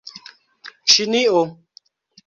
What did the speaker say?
Ĉinio